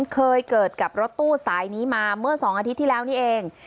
เคยเกิดกับรถตู้สายนี้มาเมื่อ๒อาทิตย์ที่แล้วนี่เอง